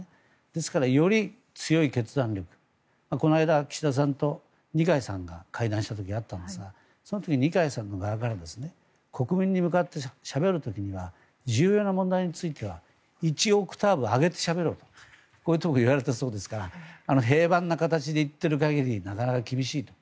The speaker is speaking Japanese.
ですから、より強い決断力この間、岸田さんと二階さんが会談した時があったんですがその時に二階さん側から国民に向かってしゃべる時には重要な問題については１オクターブ上げてしゃべろと言われたそうですからそう言っている限りなかなか難しいと。